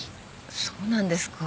そうなんですか。